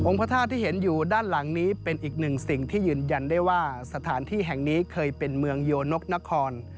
พระธาตุที่เห็นอยู่ด้านหลังนี้เป็นอีกหนึ่งสิ่งที่ยืนยันได้ว่าสถานที่แห่งนี้เคยเป็นเมืองโยนกนคร